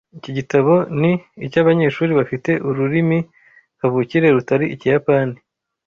Iki gitabo ni icy'abanyeshuri bafite ururimi kavukire rutari Ikiyapani.